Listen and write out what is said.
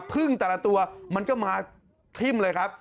พึ่งแต่ละตัวมันก็มาทิ่มเลยครับ